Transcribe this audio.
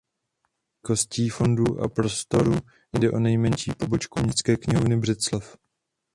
Velikostí fondu a prostoru jde o nejmenší pobočku Městské knihovny Břeclav.